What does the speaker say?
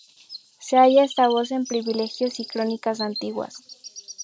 Se halla esta voz en privilegios y crónicas antiguas.